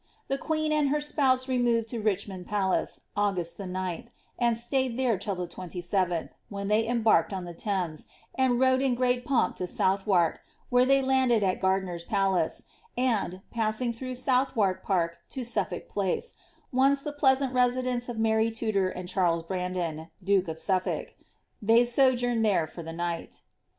The queen and her spouse removed to Richmond Palace, August the 9th, and stayed there till the 27ih, when they embarked on the Thames, and rowed in great pomp to South wark, where they landed atGardiner^s palace; and, passing through Southwark Park lo Suffolk Place, (once the pleasant residence of Mary Tudor and Charles Brandon, duke of Suffolk,) they sojourned there for the night.'